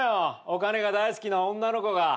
お金が大好きな女の子が。